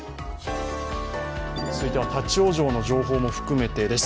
続いては立往生の情報も含めてです。